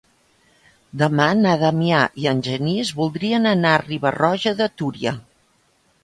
Demà na Damià i en Genís voldrien anar a Riba-roja de Túria.